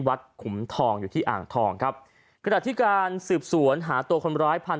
ขุมทองอยู่ที่อ่างทองครับขณะที่การสืบสวนหาตัวคนร้ายพัน